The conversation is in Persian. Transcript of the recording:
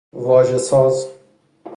واژه ساز